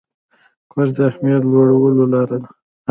کورس د همت لوړولو لاره ده.